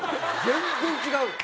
全然違うよ。